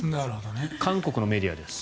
韓国のメディアです。